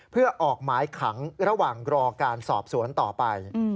เพื่อออกหมายขังระหว่างรอการสอบสวนต่อไป